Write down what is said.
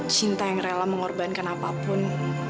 cinta yang rela mengorbankan apapun